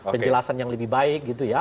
penjelasan yang lebih baik gitu ya